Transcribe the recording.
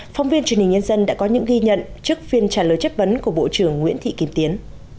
phóng viên truyền hình nhân dân đã có những ghi nhận trước phiên trả lời chất vấn của bộ trưởng nguyễn thị kim tiến